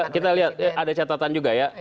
kita lihat ada catatan juga ya